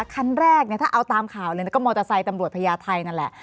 คันแรกเนี่ยถ้าเอาตามข่าวเลยก็มอเตอร์ไซค์ตำรวจพญาไทยนั่นแหละ